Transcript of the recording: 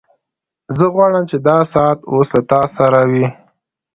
زه غواړم چې دا ساعت اوس له تا سره وي